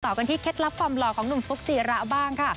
กันที่เคล็ดลับความหล่อของหนุ่มฟุ๊กจีระบ้างค่ะ